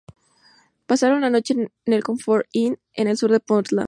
Pasaron la noche en el Comfort Inn en el sur de Portland.